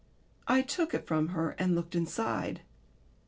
I took it from her and looked inside.